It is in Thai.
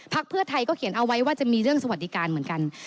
เพื่อไทยก็เขียนเอาไว้ว่าจะมีเรื่องสวัสดิการเหมือนกัน